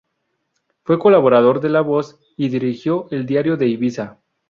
Fue colaborador de La Voz y dirigió el Diario de Ibiza.